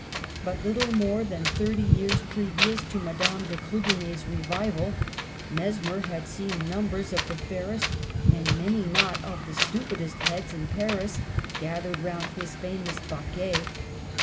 But little more than thirty years previous to Madame de Kriidener's " revival " Mesmer had seen numbers of the fairest and many not of the stupidest heads in Paris gathered round his famous baquet.